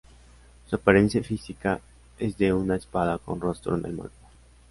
Su apariencia física es de una espada con rostro en el mango.